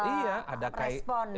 tidak melakukan respon ya